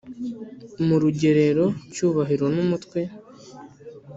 murugerero cyubahiro numutwe